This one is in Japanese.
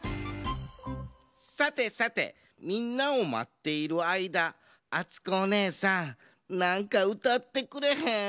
さてさてみんなをまっているあいだあつこおねえさんなんかうたってくれへん？